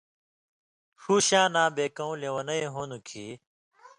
ݜُو شاناں بے کؤں لېونئ ہون٘دوۡ کھیں